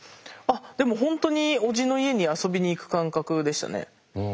でも本当におじの家に遊びに行く感覚でしたね。